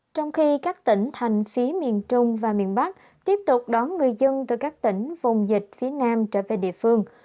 trong khi các tỉnh thành phía miền trung và miền bắc tiếp tục đón người dân từ các tỉnh vùng dịch phía nam trở về địa phương